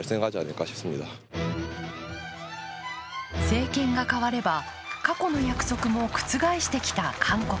政権が代われば過去の約束も覆してきた韓国。